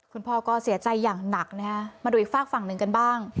คุณพ่อก็เสียใจอย่างหนักนะฮะมาดูอีกฝากฝั่งหนึ่งกันบ้าง